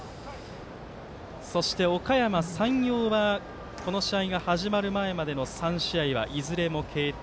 そして、おかやま山陽はこの試合が始まる前までの３試合はいずれも継投。